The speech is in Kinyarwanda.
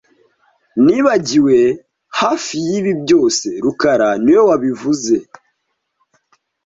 Nibagiwe hafi yibi byose rukara niwe wabivuze